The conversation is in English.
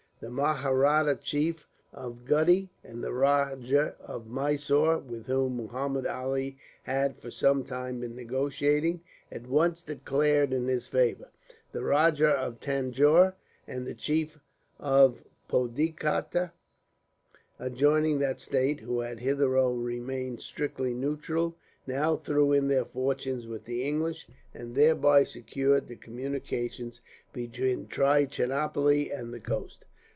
The Mahratta chief of Gutti and the Rajah of Mysore, with whom Muhammud Ali had for some time been negotiating, at once declared in his favour. The Rajah of Tanjore and the chief of Pudicota, adjoining that state, who had hitherto remained strictly neutral, now threw in their fortunes with the English, and thereby secured the communications between Trichinopoli and the coast.